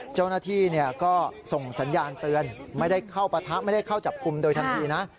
เจ้าหน้าที่ก็ส่งสัญญาณเตือนไม่ได้เข้าปะทะไม่ได้เข้าจับกลุ่มโดยทันทีนะ